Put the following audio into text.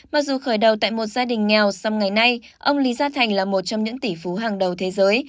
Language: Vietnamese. mặc dù khởi đầu tại một gia đình nghèo song ngày nay ông lý gia thành là một trong những tỷ phú hàng đầu thế giới